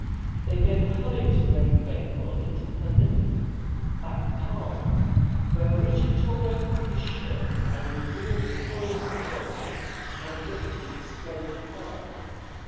They then hurried Dame Bakewell into her little back parlor, where Richard tore open his shirt and revealed the coils of rope and Ripton displayed the file.